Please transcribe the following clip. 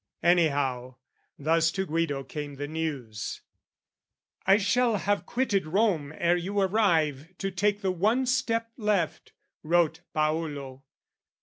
Anyhow, thus to Guido came the news. "I shall have quitted Rome ere you arrive "To take the one step left," wrote Paolo.